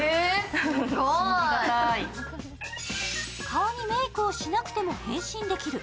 顔にメイクをしなくても変身できる。